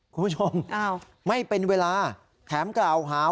คุณผู้ชมไม่เป็นเวลาแถมกล่าวหา